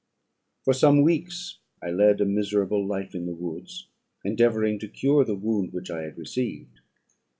"For some weeks I led a miserable life in the woods, endeavouring to cure the wound which I had received.